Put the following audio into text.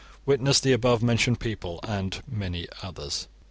Witness the above mentioned people and many others.